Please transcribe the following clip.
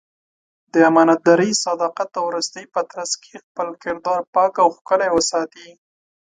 د امانتدارۍ، صداقت او راستۍ په ترڅ کې خپل کردار پاک او ښکلی وساتي.